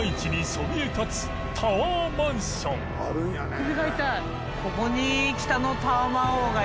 首が痛い。